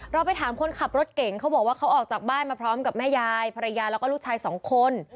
ไปถามคนขับรถเก่งเขาบอกว่าเขาออกจากบ้านมาพร้อมกับแม่ยายภรรยาแล้วก็ลูกชายสองคน